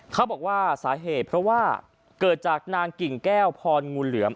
เขาบอกว่าสาเหตุเพราะว่าเกิดจากนางกิ่งแก้วพรงูเหลือม